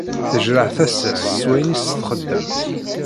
Tejreḥ tasa-s s wayen i s-texdem